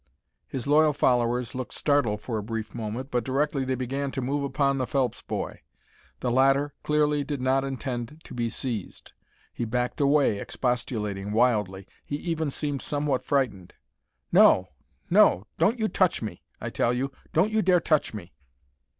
His loyal followers looked startled for a brief moment, but directly they began to move upon the Phelps boy. The latter clearly did not intend to be seized. He backed away, expostulating wildly. He even seemed somewhat frightened. "No, no; don't you touch me, I tell you; don't you dare touch me."